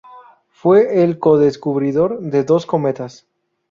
Fue el co-descubridor de dos cometas.